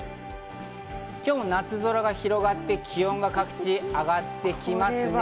今日も夏空が広がって気温が各地、上がってきますね。